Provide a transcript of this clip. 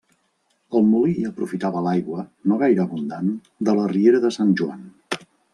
El molí aprofitava l'aigua, no gaire abundant, de la riera de Sant Joan.